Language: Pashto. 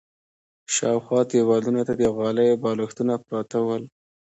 شاوخوا دېوالونو ته د غالیو بالښتونه پراته ول.